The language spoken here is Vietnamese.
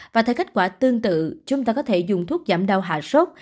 và theo kết quả tương tự chúng ta có thể dùng thuốc giảm đau hạ sốt